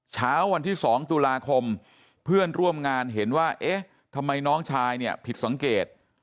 เช้าวันที่๒ตุลาคมเพื่อนร่วมงานเห็นว่าเอ๊ะทำไมน้องชายเนี่ยผิดสังเกต